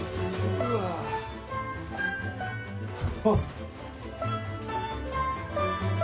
うわっ！